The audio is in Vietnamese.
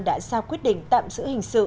đã ra quyết định tạm giữ hình sự